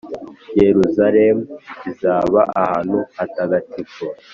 Yeruzalemu izaba ahantu hatagatifu,